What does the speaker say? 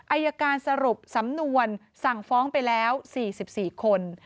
อายการสรุปสำนวนสั่งฟ้องไปแล้ว๔๔คน